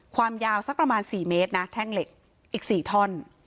ความยาวสักประมาณ๔เมตรนะแท่งเหล็กอีก๔ท่อน